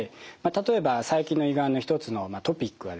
例えば最近の胃がんの一つのトピックはですね